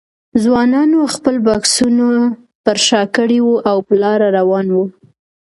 ځوانانو خپل بکسونه پر شا کړي وو او په لاره روان وو.